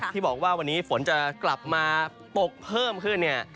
ที่บอกว่าวันนี้ฝนจะกลับมาตกเพิ่มขึ้นเนี่ย